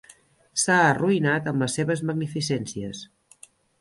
S'ha arruïnat amb les seves magnificències.